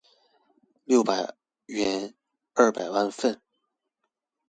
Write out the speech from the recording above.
六百元二百萬份